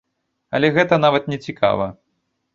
Але гэта нават нецікава.